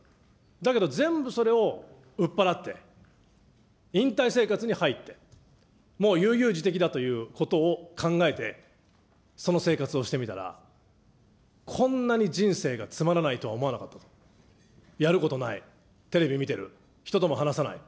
だけど全部それをうっぱらって、引退生活に入って、もう悠悠自適だということを考えて、その生活をしてみたら、こんなに人生がつまらないとは思わなかったと、やることない、テレビ見てる、人とも話さない。